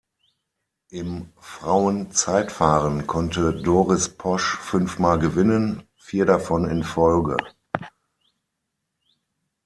Im Frauen-Zeitfahren konnte Doris Posch fünfmal gewinnen, vier davon in Folge.